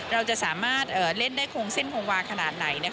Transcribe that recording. เราจะสามารถเล่นได้คงเส้นคงวาขนาดไหน